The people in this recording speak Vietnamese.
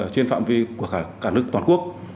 trên phạm vi của cả nước toàn quốc